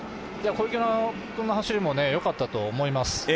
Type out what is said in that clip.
小池君の走りもよかったと思います。